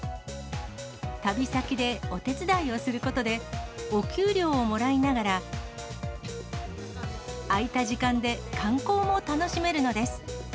旅先でお手伝いをすることで、お給料をもらいながら、空いた時間で観光も楽しめるのです。